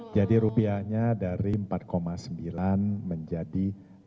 jadi rupiahnya dari empat sembilan menjadi lima enam puluh tujuh tiga ratus delapan puluh satu